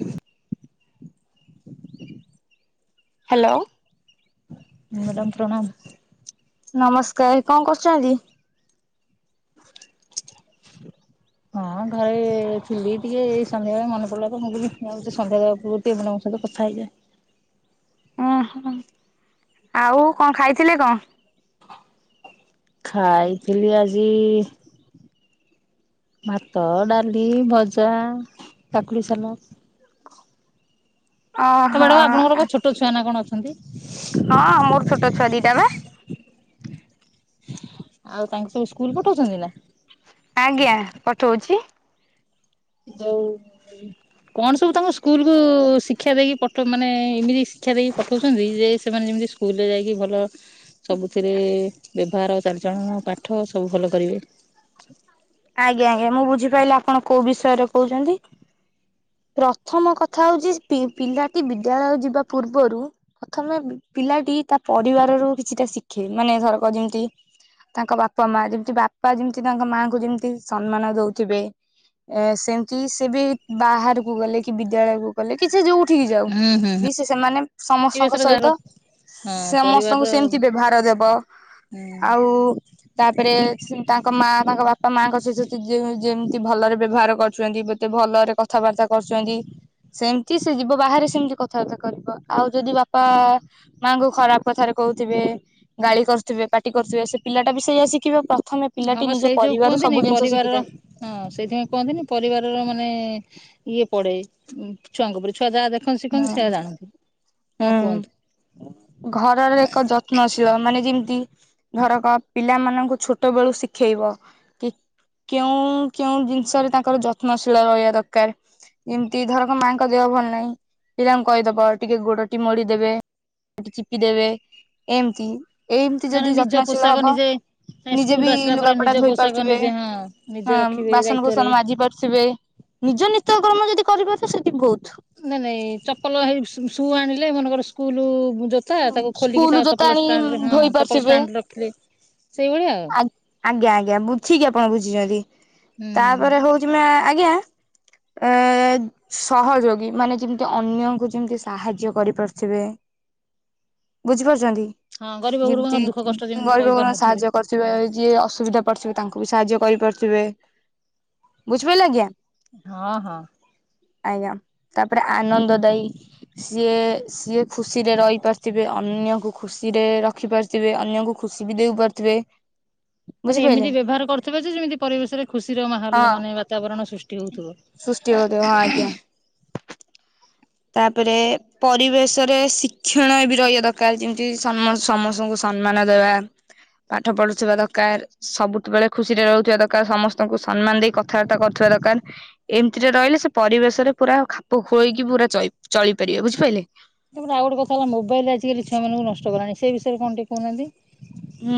ହ hello. Madam ପ୍ରଣାମ। ନମସ୍କାର କଣ କରୁଚନ୍ତି? ହଁ ଘରେ ଥିଲି ଟିକେ ଏଇ ସନ୍ଧ୍ୟାବେଳେ ମନେ ପଡିଲା ତ ମୁଁ କହିଲି [unintelligible] ସନ୍ଧ୍ୟାଦବା ପୂ [unintelligible] ସହିତ କଥା ହେଇଯଏ। ଓହୋ ଆଉ କଣ ଖାଇଥିଲେ କଣ? ଖାଇଥିଲି ଆଜି ଭାତ, ଡାଲି, ଭଜା, କାକୁଡି ସାଲଦ। ତ ଓହୋ ମ୍ୟାଡାମ ଆପଣଙ୍କର କଣ ଛୋଟ ଛୁଆ ନା କଣ ଅଛନ୍ତି? ହଁ ମୋର ଛୋଟ ଛୁଆ ଦିଇଟା ପା। ଆଉ ତାଙ୍କୁ ସବୁ ସ୍କୁଲ ପଠୋଉଚନ୍ତି ନା? ଆଜ୍ଞା ପଠୋଉଚି। ଯୋଉ କଣ ସବୁ ତାଙ୍କ ସ୍କୁଲକୁ ଶିକ୍ଷା ଦେଇକି ପଠୋଉ ମାନେ ଏମିତି ଶିକ୍ଷା ଦେଇକି ପଠୋଉଚନ୍ତି ଯେ ସେମାନେ ଯେମିତି ସ୍ ସ୍କୁଲରେ ଯାଇକି ଭଲ ସବୁଥିରେ ବ୍ୟବହାର, ଚାରିଚଳନ, ପାଠ ସବୁ ଭଲ କରିବେ। ଆଜ୍ଞା ଆଜ୍ଞା ମୁଁ ବୁଝିପାଇଲି ଆପଣ କୋଉ ବିଷୟରେ କୋହୁଚନ୍ତି। ପ୍ରଥମ କଥା ହୋଉଚି ସ୍ ପି-ପିଲାଟି ବିଦ୍ୟାଳୟ ଯିବା ପୂର୍ବରୁ ପ୍ରଥମେ ବି-ପିଲାଟି ତା ପରିବାରରୁ କିଛିଟା ଶିଖେ ମାନେ ଧରକ ଯେମତି ତାଙ୍କ ବାପାମାଆ ଯେମତି ବାପା ଯେମତି ତାଙ୍କ ମାଆଙ୍କୁ ଯେମ ତି ସମ୍ମାନ ଦୋଉଥିବେ ଏ ସେମତି ସେ ବି ବାହାରକୁ ଗଲେ କି ବିଦ୍ୟାଳୟକୁ ଗଲେ କି ସେ ଯୋଉଠିକି ଯାଉ ହୁଁ ହୁଁ ହୁଁ। ବି ସେ ସେମାନେ ସମସ୍ତଙ୍କ ପରିବେଶର ଯାହାର ସହିତ ହଁ ସମସ୍ତଙ୍କୁ ପରିବାରର ସେମତି ବ୍ୟବହାର ଦେବ ହୁଁ ଆଉ ତାପରେ ସେମ୍ ତାଙ୍କ ମାଆ ତାଙ୍କ ବାପ୍ ପା ମାଆଙ୍କ ସହିତ ତି ଯେଉ ଯେମତି ଭଲରେ ବ୍ୟବହାର କରୁଚନ୍ତି ବି ଏତେ ଭଲରେ କଥାବାର୍ତ୍ତା କରୁଚନ୍ତି ସେମତି ସେ ଯିବ ବାହାରେ ସେମତି କଥାବାର୍ତ୍ତା କରିବ ଆଉ ଯଦି ବାପା ମାଆଙ୍କୁ ଖରାପ କଥାରେ କୋହୁଥିବେ ଗାଳି କରୁଥିବେ ପାଟି କରୁଥିବେ ସେ ପିଲାଟା ବି ସେଇଆ ଶିଖିବେ ପ୍ରଥମେ ହଁ ପିଲାଟି ବା ସେଇ ନିଜ ଯୋଉ ପରିବାରରୁ କୁହନ୍ତିନି ସବୁି ଜିନଷ ପରିବାରର ଶିଖିଥାଏ। ହଁ ସେଇଥିପାଇଁ କୁହନ୍ତିନି ପରିବାରର ମାନେ ଇଏ ପଡେ ଉଁ ଛୁଆଙ୍କ ଓପରେ ଛୁଆ ଯାହା ଦେଖନ୍ତି ଶିଖନ୍ତି ସେୟା ହୁଁ ଜାଣନ୍ତି ହଁ ହୁଁ। କୁହନ୍ତୁ। ଘରର ଏକ ଯତ୍ନଶୀଳ ମାନେ ଯେମତି ଏଥରକ ପିଲାମାନଙ୍କୁ ଛୋଟ ବେଳୁ ଶିଖେଇବ କି କେଉଁ, କେଉଁ ଜିନିଷରେ ତାଙ୍କର ଯତ୍ନଶୀଳ ରହିବା ଦରକାର। [unintelligible] ମାଆଙ୍କ ଦେହ ଭଲ ନାହିଁ। ପିଲାଙ୍କୁ କହିଦବ ଟିକେ ଗୋଡ଼ ଟି ମୋଡି଼ଦବେ କି ଚିପି ଦେବେ ଏମିତି। ଏମିତି ନହେଲେ ଯଦି ନିଜ ଯତ୍ନଶୀଳ ପୋଷାକ ହବ ନିଜେ ନିଜେ ସ୍କୁଲରୁ ବି ଆସିଲା ପରେ ଲୁଗାପଟା ନିଜ ଧୋଇ ପୋଷାକ ପାରୁଥିବେ। ନିଜେ ହଁ ନିଜେ ହଁ ରଖିବେ ଦାୟିତ୍ଵରେ। ବାସନକୁସନ ମାଜି ପାରୁଥିବେ ନିଜ ନିତ୍ୟକର୍ମ ଯଦି କରି ପାରୁଥିବେ ସେତିକି ବହୁତ। ନାଇଁ ନାଇଁ ଚପଲ ହେଇ ସୁ ଆଣିଲେ ମନକର ସ୍କୁଲ ଜୋ ତା ତାକୁ ଖୋଲିକି ତା ସ୍କୁଲ ଜୋତା ଚପଲ ଆଣି ଷ୍ଟାଣ୍ଡରେ ହଁ ଧୋଇ ଚପଲ ପାରୁଥିବେ ଷ୍ଟାଣ୍ଡ ରେ ରଖିଲେ ସେଇଭଳିଆ ଆଉ। ଆଜ୍ଞା ଆଜ୍ଞା ବୁଝିକି ଆପଣ ବୁଝିଛନ୍ତି। ହୁଁ ତାପରେ ହଉଛି ଆଜ୍ଞା ଏ ସହଯୋଗୀ ମାନେ ଯେମିତି ଅନ୍ୟଙ୍କୁ ଯେମିତି ସାହାଯ୍ୟ କରିପାରୁି ଥିବେ। [inaudible] ବୁଝି ପାରୁଛନ୍ତି? ହଁ ଗରିବ ଗୁରୁବାଙ୍କ ଯେମିତି ଦୁଃଖ କଷ୍ଟ ଯେମିତି ସହି ଗରିବ ଗୁରୁବାଙ୍କୁ ପାରୁନଥିବେ ସାହାଯ୍ୟ କରୁଥିବେ, ହଁ ଯିଏ ଅସୁବିଧାରେ ପଡ଼ିଥିବେ ତାଙ୍କୁ ବି ସାହାଯ୍ୟ କରିପାରୁଥିବେ। ବୁଝିପାରିଲେ ଆଜ୍ଞା? ହଁ ହଁ। ଆଜ୍ଞା। ତାପରେ ଆନନ୍ଦ ଦାୟୀ ସିଏ ସିଏ ଖୁସିରେ ରହିପାରିଥିବେ ଅନ୍ୟକୁ ଖୁସିରେ ରଖିପାରୁଥିବେ। ଥିବେ ଅନ୍ୟଙ୍କୁ ଖୁସି ବି ଦେଉ ପାରୁଥିବେ। ମାନେ ବୁଝିପାରିଲେ ଏମିତି ବ୍ୟବହାର କରୁଥିବ ଯେ ଯେମିତି ପରିବେଶରେ ଖୁସିର ହଁ ମାହୋଲ ମାନେ ବାତାବରଣ ସୃଷ୍ଟି ହଉଥିବ। ସୃଷ୍ଟି ହଉଥିବ ହଁ। ଆଜ୍ଞା। ତାପରେ ପରିବେଶରେ ଶିକ୍ଷଣୀୟ ବି ରହିବା ଦରକାର, ଯେମିତି ସମସ୍ତଙ୍କୁ ସମ୍ମାନ ଦେବା, ପାଠ ପଢ଼ୁଥିବା ଦରକାର। ସବୁଠୁ ବେଳେ ଖୁସି ରେ ରହୁଥିବା ଦରକାର, ସମସ୍ତଙ୍କୁ ସମ୍ମାନ ଦେଇ କଥାବାର୍ତ୍ତା କରୁଥିବା ଦରକାର ଏମିତିରେ ରହିଲେ ସେ ପରିବେଶ ରେ ପୁରା ଖାପ ଖୁଏଇକି ପୁରା ଚଳି ପାରିବେ ବୁଝିପାରିଲେ। ତାପରେ ଆଉ ଗୋଟେ କଥା ହେଲା ମୋବାଇଲ ଆଜିକାଲି ଛୁଆମାନଙ୍କୁ ନଷ୍ଟ କଲାଣି। ସେ ବିଷୟରେ କଣ ଟିକେ କହୁ ନାହାନ୍ତି।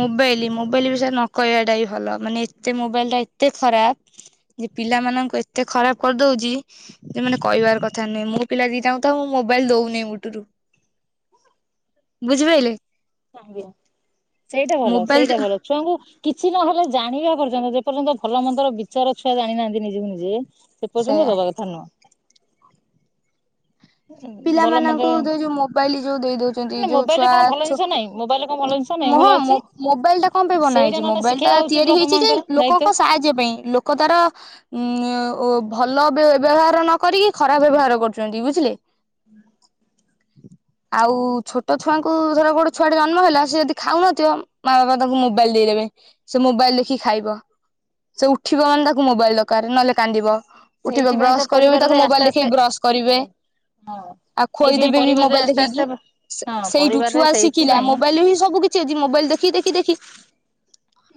ମୋବାଇଲ, ମୋବାଇଲ ବିଷୟରେ ନ କହିବା ଟା ହିଁ ଭଲ। ମାନେ ଏତେ ମୋବାଇଲ ଟା ଏତେ ଖରାପ ଯେ ପିଲାମାନଙ୍କୁ ଏତେ ଖରାପ କରିଦେଉଛି ଯେ ମାନେ କହିବାର କଥା ନୁହେଁ। ମୋ ପିଲା ଦିଟାଙ୍କୁ ତ ମୁଁ ମୋବାଇଲ ଦଉ ନାହିଁ ମୋଟ ରୁ। ବୁଝି ପାଇଲେ? ଆଜ୍ଞା। ସେଇଟା ଭଲ ମୋବାଇଲ ସେଇଟା ଭଲ। ଛୁଆଙ୍କୁ କିଛି ନହେଲେ ଜାଣିବା ପର୍ଯ୍ୟନ୍ତ, ଯେ ପର୍ଯ୍ୟନ୍ତ ଭଲ ମନ୍ଦର ବିଚାର ଛୁଆ ଜାଣିନାହାନ୍ତି ନିଜକୁ ନିଜେ। ସେ ସେଇଆ ପର୍ଯ୍ୟନ୍ତ ଦବା କଥା ନୁହଁ। ଭଲ ମନ୍ଦ ପିଲାମାନଙ୍କୁ ଯ ଯୋଉ ମୋବାଇଲ ଯୋଉ ଦେଇ ଦଉଛନ୍ତି ନା ଯୋଉ ମୋବାଇଲରେ ଛୁଆ କଣ ଭଲ ଜିନିଷ ନାହିଁ ମୋବାଇଲରେ କଣ ଭଲ ଜିନିଷ ନାହିଁ ଭଲ ଅଛି। ହଁ ମୋବାଇଲ ଟା କଣ ପାଇଁ ବନା ସେଇଟା ହେଇଛି? ନହେଲେ ମୋବାଇଲ ଟା ଶିଖେଇବା ଉଚିତ ତିଆରି ବାପା ହେଇଛି ଯେ ମାଙ୍କର ଦାୟିତ୍ୱ। ଲୋକଙ୍କ ସାହାଯ୍ୟ ପାଇଁ। ଲୋକ ତାର ଉ ଭଲ ବ୍ୟବହାର ନକରି କି ଖରାପ ବ୍ୟବହାର କରୁଛନ୍ତି ବୁଝିଲେ। [unintelligible] [inaudible] ଆଉ ଛୋଟ ଛୁଆଙ୍କୁ, ଧର ଗୋଟେ ଛୁଆଟେ ଜନ୍ମ ହେଲା ସେ ଯଦି ଖାଉନଥିବ ମା ବାପା ତାଙ୍କୁ ମୋବାଇଲ ଦେଇ ଦେବେ। ସେ ମୋବାଇଲ ଦେଖି ଖାଇବ। ସେ ଉଠିବ ମାନେ ତାକୁ ମୋବାଇଲ ଦରକାର ନହେଲେ କାନ୍ଦିବ। ଉଠିବ ସେଇଥିପାଇଁ ତ ବ୍ରଶ କରିବ ବି ପରିବାରରେ ତାକୁ ଆସ୍ତେ ମୋବାଇଲ ଦେଖେଇ ଆସ୍ତେ କି ବ୍ରଶ କରିବେ। ହଉ ହଁ। ଆଉ ସେଇଥିପାଇଁ ଖୋଇଦେବେ ବି ପରିବାରରେ ମୋବାଇଲ ଆସ୍ତେ ଆସ୍ତେ ଦେଖେଇକି। ହଁ ସେଇଠୁ ପରିବାରରେ ଛୁଆ ଶିଖିଲା ସେଇଥିପାଇଁ ମୋବାଇଲରେ ହିଁ ସବୁ କିଛି ଅଛି। ମୋବାଇଲ ଦେଖି ଦେଖି ଦେଖି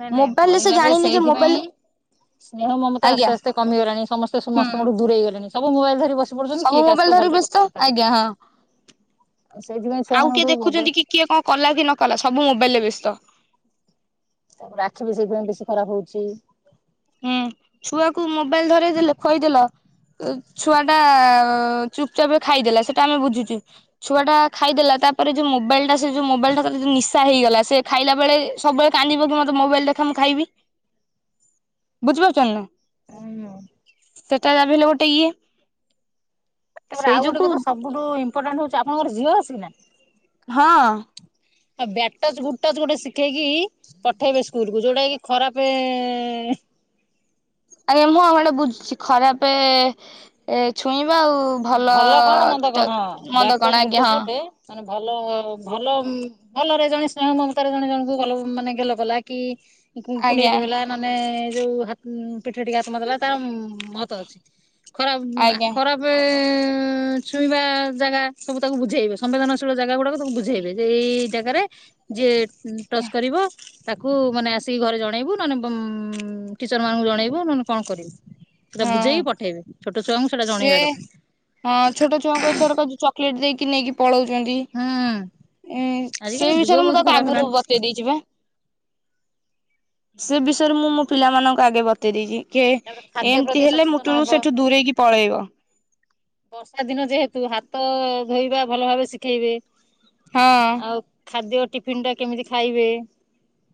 ନାଇଁ ନାଇଁ ମୋବାଇଲରେ ସେ ପରିବାରରେ ଜାଣିନି ଯେ ସେଇଥିପାଇଁ ମୋବାଇଲ ସ୍ନେହ ମମତା ଆଜ୍ଞା ଆସ୍ତେ ଆସ୍ତେ କମିଗଲାଣି, ସମସ୍ତେ ହୁଁ ସମସ୍ତଙ୍କୁଠୁ ଦୂରେଇଗଲେଣି, ସବୁ ମୋବାଇଲ ଧରି କି ବସି ପଡ଼ୁଛନ୍ତି ସବୁ କିଏ କା ମୋବାଇଲ ସହିତ ଧରି ଭଲରେ ବ୍ୟସ୍ତ କଥାବାର୍ତ୍ତା ଆଜ୍ଞା ହଁ। କରୁନାହାନ୍ତି। ଆଉ ସେଇଥିପାଇଁ ଛୁଆ ଆଉ କିଏ ମାନଙ୍କଠୁ ମୋବା ଦେଖୁଛନ୍ତି କି କିଏ କଣ କଲା କି ନ କଲା ସବୁ ମୋବାଇଲ ରେ ବ୍ୟସ୍ତ। ତାପରେ ଆଖି ବି ସେଇଥିପାଇଁ ବେଶୀ ଖରାପ ହଉଛି। ହୁଁ ଛୁଆକୁ ମୋବାଇଲ ଧରେଇ ଦେଲ ଖୋଇ ଦେଲ ଛୁଆ ଟା ଚୁପଚାପ୍ ଖାଇଦେଲା ସେଇଟା ଆମେ ବୁଝୁଛୁ। ଛୁଆ ଟା ଖାଇଦେଲା। ତାପରେ ଯୋଉ ମୋବାଇଲ ଟା ସେ ଯୋଉ ମୋବାଇଲଟା ଧରିକି ଯୋଉ ନିଶା ହେଇଗଲା ସେ ଖାଇଲା ବେଳେ ସବୁବେଳେ କାନ୍ଦିବ କି ମତେ ମୋବାଇଲ ଦେଖା ମୁଁ ଖାଇବି। ବୁଝିପାରୁଚନ୍ତି ନା ହୁଁ ସେଟା ଯାହାବି ହେଲେ ଗୋଟେ ଇଏ। ତାପରେ ସେଇ ଆଉ ଗୋଟେ ଯୋଗୁ କଥା ସବୁଠୁ ଇମ୍ପୋର୍ଟାଣ୍ଟ ହଉଚି ଆପଣଙ୍କର ଝିଅ ଅଛି କି ନା? ହଁ। ଏ ବ୍ୟାଟ ଟଚ ଗୁଡ ଟଚ ଗୋଟେ ଶିଖେଇକି ପଠେଇବେ ସ୍କୁଲ କୁ ଯୋଉଟା କି ଖରାପ ଆଜ୍ଞା ମୁଁ ଆମ ଗୋଟେ ବୁଝୁଚି ଖରାପ ଏ ଛୁଇଁବା ଆଉ ଭଲ କଣ, ମନ୍ଦ ଚ କଣ, ମନ୍ଦ ବ୍ୟାଟ କଣ ଟଚ୍ ଗୁଡ ଆଜ୍ଞା ଟଚ୍ ହଁ ଗୋଟେ ମାନେ ଭଲ ଭଲ ଭଲରେ ଜଣେ ସ୍ନେହ ମମତାରେ ଜଣେ ଜଣଙ୍କୁ ଗେଲ ମାନେ ଗେଲ କଲା କି କୁଣ୍ଡେଇ ଆଜ୍ଞା ପକେଇଲା ମାନେ ଯୋଉ ପିଠୀ ଟିକେ ହାତ ମାରିଦେଲା ତା ମହତ ଅଛି। ଖରାପ, ଆଜ୍ଞା ଖରାପେ ଉଁ ଛୁଇଁବା ଜାଗା ସବୁ ତାକୁ ବୁଝେଇବେ। ସମ୍ବେଦନଶୀଳ ଜାଗା ଗୁଡାକ ତାକୁ ବୁଝେଇବେ। ଯେ ଏଇ ଏଇ ଜାଗାରେ ଯିଏ ଟ ଟଚ୍ କରିବ ତାକୁ ମାନେ ଆସିକି ଘରେ ଜଣେଇବୁ, ନହେଲେ ବମ୍ ଟିଚର ମାନଙ୍କୁ ଜଣେଇବୁ ନହେଲେ କଣ କରିବୁ? ସେଟା ହଁ ବୁଝେଇକି ପଠେଇବେ, ଛୋଟ ଛୁଆଙ୍କୁ ସେଟା ସେ ଜଣେଇବା କଥା। ହଁ ଛୋଟ ଛୁଆଙ୍କୁ ଏଥର କ ଯୋଉ ଚକୋଲେଟ ଦେଇକି ନେଇକି ପଳଉଚନ୍ତି। ହୁଁ ଏ ଆଜିକାଲି ସେଇ ଯୁଗ ବିଷୟରେ ମୁଁ ବହୁତ ତାକୁ ଖରାପ ଆଗରୁ ହେଲାଣି ବତେଇ ଦେଇଚି ବା। ସେ ବିଷୟରେ ମୁଁ ମୋ ପିଲା ମାନଙ୍କୁ ଆଗେ ବତେଇ ଦେଇଚି କିଏ ତାପରେ ଖାଦ୍ୟ ଏମିତି ପ୍ରତି ହେଲେ ସଚେତନ ମୁଟୁରୁ ହବ। ସେଠୁ ଦୂରେଇକି ପଳେଇବ। ବର୍ଷା ଦିନ ଯେହେତୁ ହାତ ଧୋଇବା ଭଲ ଭାବେ ଶିଖେଇବେ। ହଁ। ଆଉ ଖାଦ୍ୟ ଟିଫନ୍ ଟା କେମିତି ଖାଇବେ?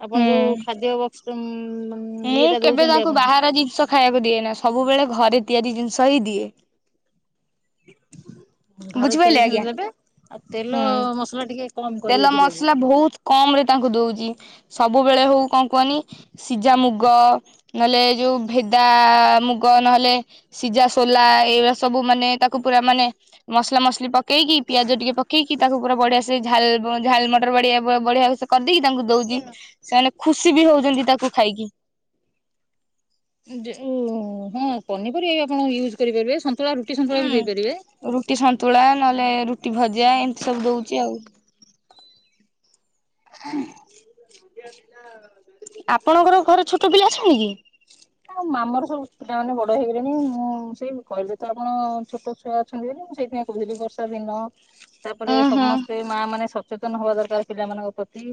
ଆପଣ ହୁଁ ଯୋଉ ଖାଦ୍ୟ ବକ୍ସ ଉଁ ମୁଁ କେବେ ତାଙ୍କୁ ବାହାର ଜିନିଷ ଖାଇବାକୁ ଦିଏ ନା। ସବୁବେଳେ ଘରେ ତିଆରି ଜିନିଷ ହିଁ ଦିଏ। ଘରେ ବୁଝିପାରିଲେ ତିଆରି ଆଜ୍ଞା ଜିନ ଦେବେ ଆଉ ତେଲ ହୁଁ ମସଲା ଟିକେ କମ ତେଲ କରିକି ଦେବେ। ମସଲା ବହୁତ କମ ରେ ତାଙ୍କୁ ଦଉଚି। ସବୁବେଳେ ହଉ କଣ କୁହନି? ସିଝା ମୁଗ ନହେଲେ ଯୋଉ ଭେଦା ମୁଗ ନହେଲେ ସିଝା ସୋଲା ଏଇଗଳା ସବୁ ମାନେ ତାକୁ ପୁରା ମାନେ ମସଲା ମସଲି ପକ କେଇକି ପିଆଜ ଟିକେ ପକେଇକି ତାକୁ ପୁରା ବଢିଆ ସେ ଝାଲ ମ ଝାଲ ମଟର ବଢିଆ ବଢିଆସେ କରିଦେଇକି ତାଙ୍କୁ ଦଉଚି। ସେମାନେ ଖୁସି ବି ହଉଚନ୍ତି ତାକୁ ଖାଇକି। ଉଁ ହଁ ପନିପରିବା ବି ଆପଣ ୟୁଜ୍ କରିପାରିବେ, ସନ୍ତୁଳା ରୁଟି ସନ୍ତୁଳା ବି ହୁଁ ଦେଇପାରିବେ। ରୁଟି ସନ୍ତୁଳା, ନହେଲେ ରୁଟି ଭଜା, ଏମିତି ସବୁ ଦଉଚି ଆଉ। [inaudible] ଆପଣଙ୍କର ଘରେ ଛୋଟ ପିଲା ଅଛନ୍ତି କି? ଆ ଆମର ସବୁ ପିଲା ମାନେ ବଡ ହେଇଗଲେଣି। ଆଉ ମୁଁ ସେଇ କହିଲେ ତ ଆପଣ ଛୋଟ ଛୁଆ ଅଛନ୍ତି ବୋଲି ମୁଁ ସେଇଥିପାଇଁ କହୁଥିଲି ବର୍ଷା ଦିନ ତାପରେ ଉଁ ହୁଁ ସମସ୍ତେ ମା ମାନେ ସଚେତନ ହବା ଦରକାର ପିଲାମାନଙ୍କ ପ୍ରତି।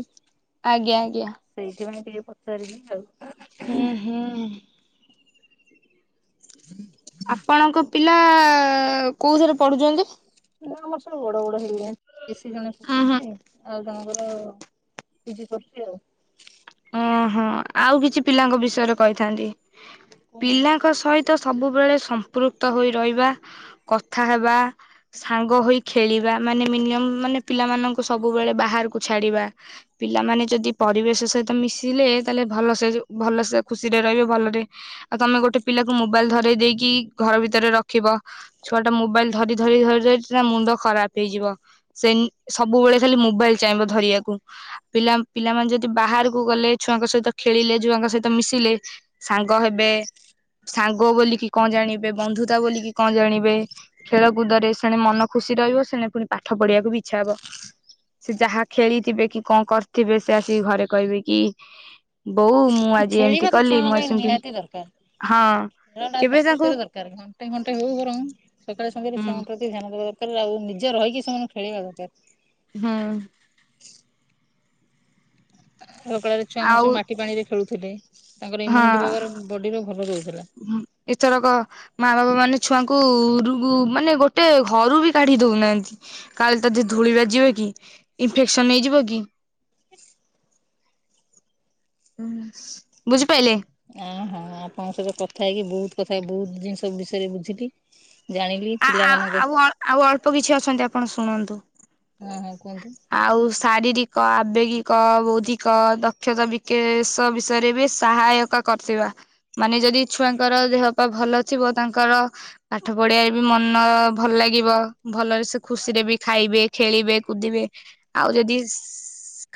ଆଜ୍ଞା, ଆଜ୍ଞା। ସେଇଥିପାଇଁ ଟିକେ ପଚାରିବେ ଆଉ। ହୁଁ, ହୁଁ। ଆପଣଙ୍କ ପିଲା କୋଉଥିରେ ପଢୁଚନ୍ତି? ନା ଆମର ସବୁ ବଡ ବଡ ହେଇଗଲେଣି। ବେଶୀ ଜଣେ ଉୁଁ ହୁଁ ପଢ଼ୁଚି ଆଉ ଜଣେ ପୁଅ ର ପି ଜି ସରିଚି ଆଉ। ଓହୋ ଆଉ କିଛି ପିଲାଙ୍କ ବିଷୟରେ କହିଥାନ୍ତି, ପିଲା କହୁନାହାନ୍ତି ଙ୍କ ସହିତ ସବୁବେଳେ ସମ୍ପୃକ୍ତ ହୋଇ ରହିବା କଥା ହେବା ସାଙ୍ଗ ହୋଇ ଖେଳିବା, ମାନେ ମିନିମମ୍ ମାନେ ପିଲାମାନଙ୍କୁ ସବୁବେଳେ ବାହାରକୁ ଛାଡିବା। ପିଲାମାନେ ଯଦି ପରିବେଶ ସହିତ ତ ମିଶିଲେ ତାହେଲେ ଭଲସେ ଭଲସେ ଖୁସିରେ ରହିବେ ଭଲରେ ଆଉ ତମେ ଗୋଟେ ପିଲାକୁ ମୋବାଇଲ ଧରେଇଦେଇକି ଘର ଭିତରେ ରଖିବ। ଛୁଆ ଟା ମୋବାଇଲ ଧରି ଧରି ଧରି ଧରି ତା ମୁଣ୍ଡ ଖରାପ ହେଇଯିବ। ସେନ୍ ସବୁବେଳେ ଖାଲି ମୋବାଇଲ ଚାହିଁବ ଧରିବାକୁ। ପିଲା ପିଲାମାନେ ଯଦି ବାହାର କୁ ଗଲେ ଛୁଆଙ୍କ ସହିତ ଖେଳିଲେ, ଛୁଆଙ୍କ ସହିତ ମିଶିଲେ ସାଙ୍ଗ ହେବେ। ସାଙ୍ଗ ବୋଲିକି କଣ ଜାଣିବେ। ବନ୍ଧୁତା ବୋଲିକି କଣ ଜାଣିବେ। ଖେଳକୁଦରେ ସେଣେ ମନ ଖୁସି ରହିବ। ସେଣେ ପୁଣି ପାଠ ପଢିବାକୁ ବି ଇଚ୍ଛା ହବ। ସେ ଯାହା ଖେଳିଥିବେ କି କଣ କରିଥିବେ ସେ ଆସିକି ଘରେ କହିବେ। କି ବୋଉ ମୁଁ ଆଜି ଖେଳିବା ଏମିତି ତ କଲି, ଛୁଆଙ୍କ ମୁଁ ଆ ପାଇଁ ସେମତି ନିହାତି ଦରକାର ହଁ ଖେଳଟା କେବେ ତାଙ୍କୁ ପ୍ରକୃତରେ ଦରକାର। ଘଣ୍ଟେ ଘଣ୍ଟେ ହଉ ବରଂ ସକାଳେ ସନ୍ଧ୍ୟା ରେ ହୁଁ ଛୁୁଆଙ୍କ ପ୍ରତି ଧ୍ୟାନ ଦେବା ଦରକାର। ଆଉ ନି ଜ ରହିକି ସେମାନଙ୍କୁ ଖେଳେଇବା ଦରକାର। ହଁ। ଆଗ କାଳରେ ଛୁଆ ମାନେ ଆଉ ସବୁ ମାଟି ପାଣି ରେ ଖେଳୁଥିଲେ, ତାଙ୍କର ହଁ ଇମ୍ୟୁନିଟି ପାୱାର ବଡିର ଭଲ ରହୁଥିଲା। ଏଥରକ ମା ବାବା ମାନେ ଛୁଆଙ୍କୁ ରୁ ମାନେ ଗୋଟେ ଘରୁ ବି କାଢି ଦଉନାହାନ୍ତି। କାଳେ ତତେ ଧୂଳି ବାଜିବ କି, ଇନଫେକ୍ସନ ହେଇଯିବ କି। ବୁଝିପାଇଲେ? ଅ ହଁ। ଆପଣଙ୍କ ସହିତ କଥା ହେଇକି ବହୁତ କଥା ବହୁତ ଜିନିଷ ବିଷୟରେ ବୁଝିଲି ଜାଣିଲି। ଆ ଆ ପିଲାମାନଙ୍କ ଆଉ ଆଉ ଅଳ୍ପ କିଛି ଅଛନ୍ତି ଆପଣ ଶୁଣନ୍ତୁ। ହଁ ହଁ କୁହନ୍ତୁ। ଆଉ ଶାରୀରିକ, ଆବେଗିକ, ବୌଦ୍ଧିକ ଦକ୍ଷତା ବିକେଶ ବିଷୟରେ ବି ସହାୟ କ କରିଥିବା। ମାନେ ଯଦି ଛୁଆଙ୍କର ଦେହ ପା ଭଲ ଥିବ ତାଙ୍କର ପାଠ ପଢ଼ିବା ବି ରେ ବି ମନ ଭଲ ଲାଗିବ। ଭଲରେ ସେ ଖୁସିରେ ବି ଖାଇବେ, ଖେଳିବେ, କୁଦିବେ। ଆଉ ଯଦି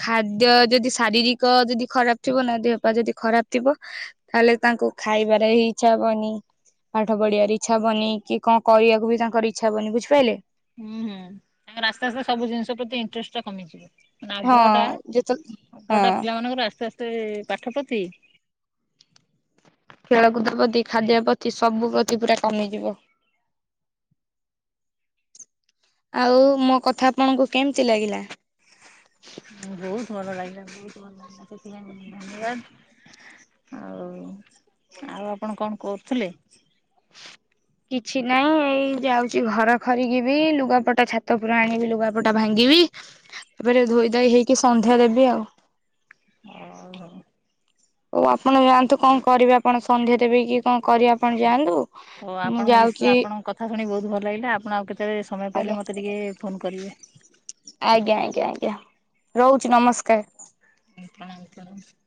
ଖାଦ୍ୟ ଯଦି ଶାରୀରିକ ଯଦି ଖରାପ ଥିବ ନା ଦେହପା ଯଦି ଖରାପ ଥିବ ତାହେଲେ ତାଙ୍କୁ ଖାଇବାରେ ହିଁ ଇଚ୍ଛା ହବନି। ପାଠ ପଢିବାରେ ଇଚ୍ଛା ହବନି କି କଣ କରିବାକୁ ବି ତାଙ୍କର ଇଚ୍ଛା ହବନି ବୁଝିପାଇଲେ। ହୁଁ ହୁଁ। ତାଙ୍କର ଆସ୍ତେ ଆସ୍ତେ ସବୁ ଜିନିଷ ପ୍ରତି ଇଣ୍ଟ୍ରେଷ୍ଟ ଟା କମିଯିବ। ମାନେ ଆଗ୍ରହ ଟା ହଁ ଯେତେ ଆଗ୍ରହ ଟା ହଁ ପିଲାମାନଙ୍କର ଆସ୍ତେ ଆସ୍ତେ ପାଠ ପ୍ରତି ଖେଳକୁଦ ପ୍ରତି ଖାଦ୍ୟ ପ୍ରତି ସବୁ ପ୍ରତି ପୁରା କମିଯିବ। ଆଉ ମୋ କଥା ଆପଣଙ୍କୁ କେମିତି ଲାଗିଲା? ବହୁତ ଭଲ ଲାଗିଲା ବହୁତ ଭଲ ଲାଗିଲା। ସେଥିପାଇଁ ଧନ୍ୟବାଦ। ଆଉ ଆଉ ଆପଣ କଣ କରୁଥିଲେ? କିଛି ନାଇଁ ଏଇ ଯାଉଚି ଘର ଖରକିବି ଲୁଗାପଟା ଛାତ ଉପରୁ ଆଣିବି ଲୁଗାପଟା ଭାଙ୍ଗିବି। ତାପରେ ଧୋଇ ଧାଇ ହେଇକି ସନ୍ଧ୍ୟା ଦେବି ଆଉ। ଓହୋ। ହଉ ଆପଣ ଯାଆନ୍ତୁ କଣ କରିବେ ଆପଣ ସନ୍ଧ୍ୟା ଦେବେ କି କଣ କରିବେ ଆପଣ ଯାଆନ୍ତୁ। ହଉ ମୁଁ ଆପଣଙ୍କ ବିଶ୍ ଯାଉଛି ଆପଣଙ୍କ କଥା ଶୁଣିକି ବହୁତ ଭଲ ଲାଗିଲା। ଆପଣ ଆଉ କେତେବେଳେ ସମୟ ଆଜ୍ଞା ପାଇଲେ ମତେ ଟିକେ ଫୋନ୍ କରିବେ। ଆଜ୍ଞା ଆଜ୍ଞା ଆଜ୍ଞା ରହୁଚି ନମସ୍କାର। [unintelligible]